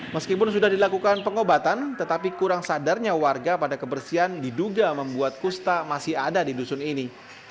meskipun sudah dilakukan pengobatan tetapi kurang sadarnya warga pada kebersihan diduga membuat kusta masih ada di dusun ini